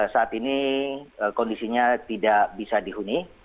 saat ini kondisinya tidak bisa dihuni